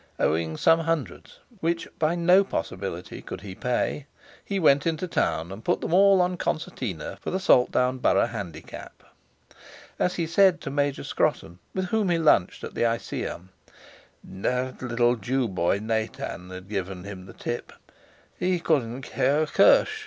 Owing some hundreds, which by no possibility could he pay, he went into town and put them all on Concertina for the Saltown Borough Handicap. As he said to Major Scrotton, with whom he lunched at the Iseeum: "That little Jew boy, Nathans, had given him the tip. He didn't care a cursh.